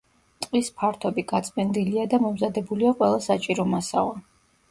ტყის ფართობი გაწმენდილია და მომზადებულია ყველა საჭირო მასალა.